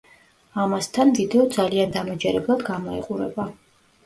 ამასთან, ვიდეო ძალიან დამაჯერებლად გამოიყურება.